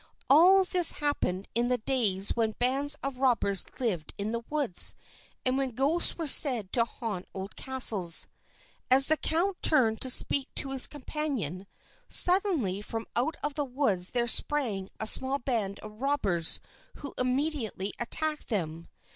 All this happened in the days when bands of robbers lived in woods, and when ghosts were said to haunt old castles. As the count turned to speak to his companion, suddenly from out the woods there sprang a small band of robbers who immediately attacked them.